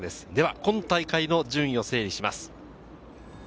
今大会の順位を整理します。